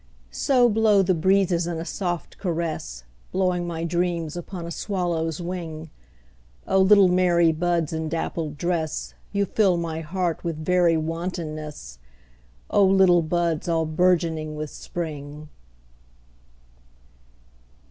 So blow the breezes in a soft caress, Blowing my dreams upon a swallow's wing;O little merry buds in dappled dress, You fill my heart with very wantonness—O little buds all bourgeoning with Spring!